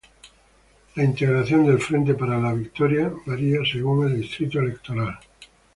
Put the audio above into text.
La integración del Frente para la Victoria varía según el distrito electoral.